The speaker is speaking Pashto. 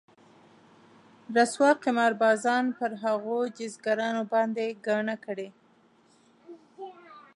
رسوا قمار بازان پر هغو جيزګرانو باندې ګاڼه کړي.